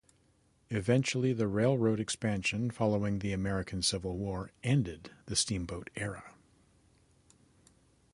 Eventually, the railroad expansion following the American Civil War ended the steamboat era.